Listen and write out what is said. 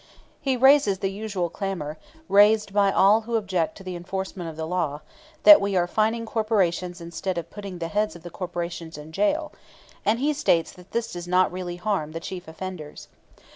He raises the usual clamor, raised by all who object to the enforcement of the law, that we are fining corporations instead of putting the heads of the corporations in jail; and he states that this does not really harm the chief offenders.